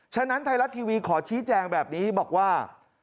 ฉะนั้นไทยรัฐทีวีขอชี้แจงแบบนี้บอกว่า